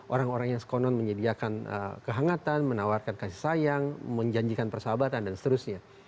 orang orang yang sekonon menyediakan kehangatan menawarkan kasih sayang menjanjikan persahabatan dan seterusnya